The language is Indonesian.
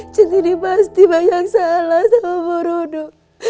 centini pasti banyak salah sama mbak rono